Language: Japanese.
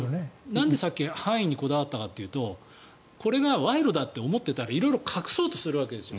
なんでさっき犯意にこだわったかというとこれが賄賂だって思ってたら色々隠そうとすると思うんですよ。